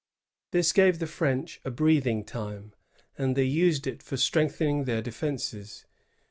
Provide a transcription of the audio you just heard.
This gave the French a breathing time, and they used it for strengthening their defences.